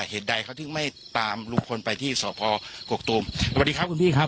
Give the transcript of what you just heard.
เหตุใดเขาถึงไม่ตามลุงพลไปที่สพกกตูมสวัสดีครับคุณพี่ครับ